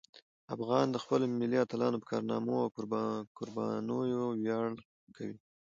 افغانان د خپلو ملي اتلانو په کارنامو او قربانیو تل ویاړ کوي.